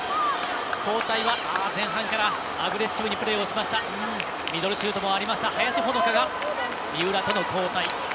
交代は前半からアグレッシブにプレーをしましたミドルシュートもありました林は、三浦との交代。